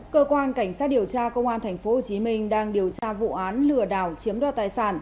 cơ quan cảnh sát điều tra công an tp hcm đang điều tra vụ án lừa đảo chiếm đoạt tài sản